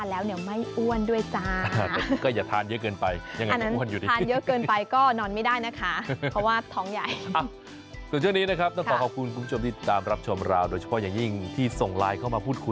ไลน์เข้ามาพูดคุยกับเราใช่แล้ว